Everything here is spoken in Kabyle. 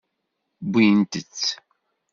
Wwint-t.